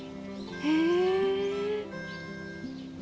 へえ！